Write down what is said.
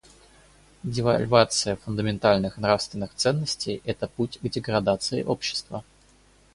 Девальвация фундаментальных нравственных ценностей — это путь к деградации общества.